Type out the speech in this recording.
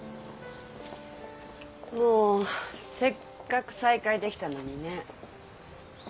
もうせっかく再会できたのにね。